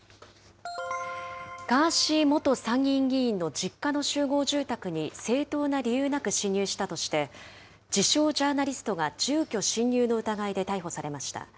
ガーシー元参議院議員の実家の集合住宅に、正当な理由なく侵入したとして、自称ジャーナリストが住居侵入の疑いで逮捕されました。